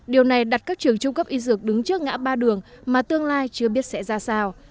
điều này đặt các trường trung cấp y dược đứng trước ngã ba đường mà tương lai chưa biết sẽ ra sao